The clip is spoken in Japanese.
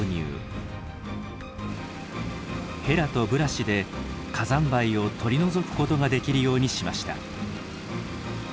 ヘラとブラシで火山灰を取り除くことができるようにしました。